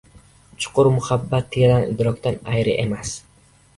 Chuqur muhabbat teran idrokdan ayri emas.